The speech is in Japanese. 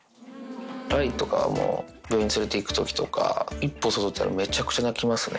雷とかも病院連れていくときとか、一歩外出たら、めちゃくちゃ鳴きますね。